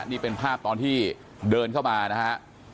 นี่เป็นภาพตอนที่เดินเข้ามานะฮะ